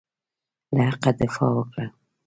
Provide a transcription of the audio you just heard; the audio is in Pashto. له حقه دفاع وکړه.